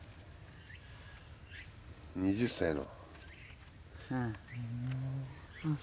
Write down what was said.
２０歳の。